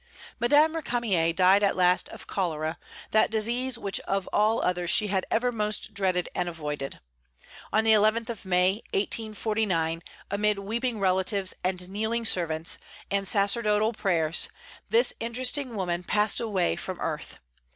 Madame Récamier died at last of cholera, that disease which of all others she had ever most dreaded and avoided. On the 11th of May, 1849, amid weeping relatives and kneeling servants and sacerdotal prayers, this interesting woman passed away from earth.